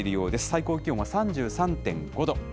最高気温は３３．５度。